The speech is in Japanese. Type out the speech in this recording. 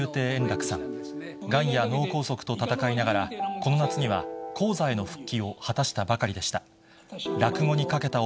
がんや脳梗塞と闘いながら、この夏には、高座への復帰を果たしたばかりでした。